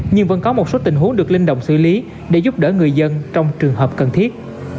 nhưng vẫn có một số tình huống được linh động xử lý để giúp đỡ người dân trong trường hợp cần thiết